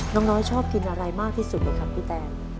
น้องน้อยชอบกินอะไรมากที่สุดนะครับพี่แตน